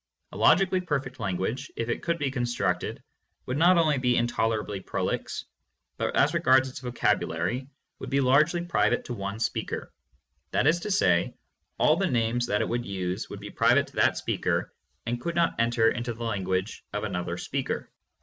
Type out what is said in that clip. A logically perfect language, if it could be constructed, would not only be intolerably prolix, but, as regards its vocabulary, would be very largely private to one speaker. That is to say, all the names that it would use would be private to that speaker and could not enter into the language of another speaker.